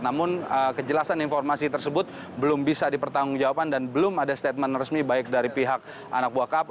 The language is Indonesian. namun kejelasan informasi tersebut belum bisa dipertanggung jawaban dan belum ada statement resmi baik dari pihak anak buah kapal